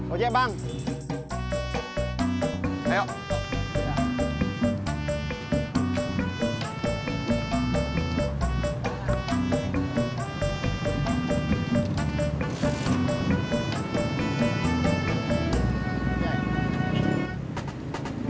udah bang ojak